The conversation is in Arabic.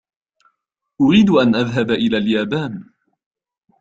أريد أن أذهب إلى اليابان.